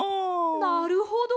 なるほど！